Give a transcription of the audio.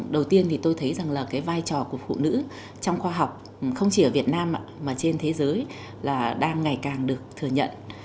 đầu tiên thì tôi thấy rằng là cái vai trò của phụ nữ trong khoa học không chỉ ở việt nam mà trên thế giới là đang ngày càng được thừa nhận